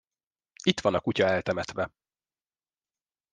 Itt van a kutya eltemetve.